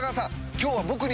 今日は僕に。